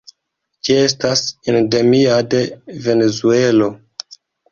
Ĝi estas endemia de Venezuelo.